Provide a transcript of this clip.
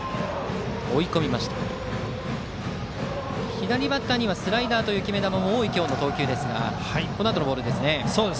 左バッターにはスライダーという決め球も多い今日の投球ですがこのあとのボールですね。